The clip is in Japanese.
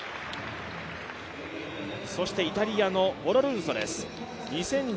そして、イタリアのフォロルンソです。